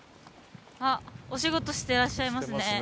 あっお仕事してらっしゃいますね。